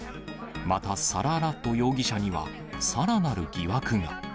またサラーラット容疑者には、さらなる疑惑が。